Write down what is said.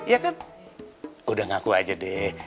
ya kan udah ngaku aja deh